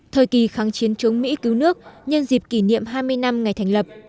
thời kỳ kháng chiến chống mỹ cứu nước nhân dịp kỷ niệm hai mươi năm ngày thành lập